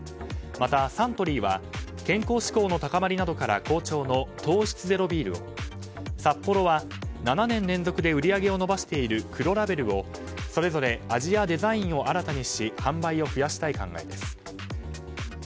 また、サントリーは健康志向の高まりなどから好調の糖質ゼロビールをサッポロは７年連続で売り上げを伸ばしている黒ラベルをそれぞれ味やデザインを新たにし販売を増やしたい考えです。